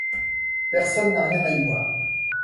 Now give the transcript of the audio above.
Personne n’a rien à y voir.